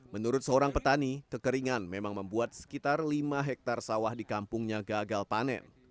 menurut seorang petani kekeringan memang membuat sekitar lima hektare sawah di kampungnya gagal panen